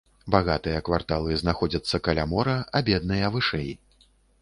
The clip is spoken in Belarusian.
Багатыя кварталы знаходзяцца каля мора, а бедныя вышэй.